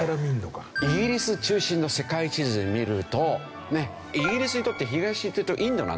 イギリス中心の世界地図で見るとイギリスにとって東っていうとインドなんですよ。